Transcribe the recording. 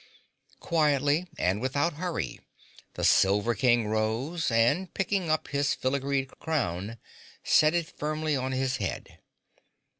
Quietly and without hurry, the Silver King rose and, picking up his filigreed crown, set it firmly on his head.